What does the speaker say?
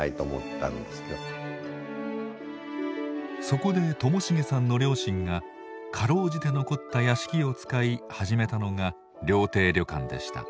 そこで寛茂さんの両親が辛うじて残った屋敷を使い始めたのが料亭旅館でした。